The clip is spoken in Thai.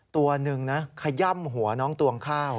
ตัวหนึ่งนะขย่ำหัวน้องตวงข้าว